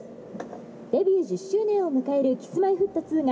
「デビュー１０周年を迎えるＫｉｓ−Ｍｙ−Ｆｔ２が」。